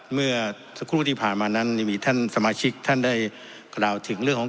เมื่อสักครู่ที่ผ่านมานั้นมีท่านสมาชิกท่านได้กล่าวถึงเรื่องของ